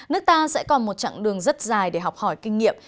nước ta sẽ còn một chặng đường rất dài để học hỏi kinh nghiệm